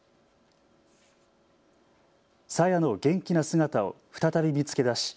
朝芽の元気な姿を再び見つけ出し